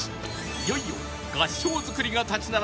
いよいよ合掌造りが立ち並ぶ